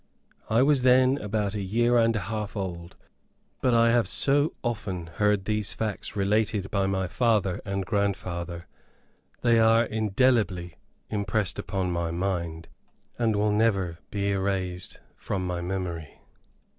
I was then about a year and a half old, but I have so often heard these facts related by my father and grandfather, they are indelibly impressed on my mind, and will never be erased from my memory.